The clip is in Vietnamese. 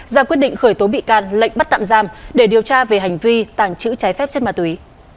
ra quyết định khởi tố bị can lệnh bắt tạm giam để điều tra về hành vi tàng trữ trái phép chất ma túy